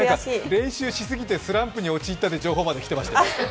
練習しすぎてスランプに陥ったという情報まで来てましたよ。